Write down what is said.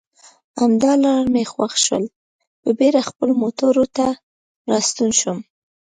همدا لار مې خوښه شول، په بېړه خپلو موټرو ته راستون شوم.